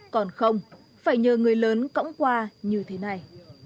còn không phải nhờ người lớn cõng qua như thế này